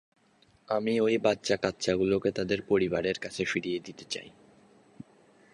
আমি ঐ বাচ্চা-কাচ্চাগুলোকে ওদের পরিবারের কাছে ফিরিয়ে দিতে চাই।